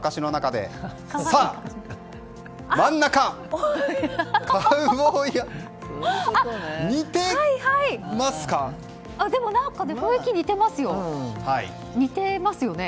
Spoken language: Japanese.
でも、雰囲気似てますよね？